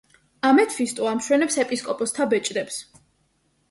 ამეთვისტო ამშვენებს ეპისკოპოსთა ბეჭდებს.